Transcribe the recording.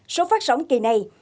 số phát sóng kỳ này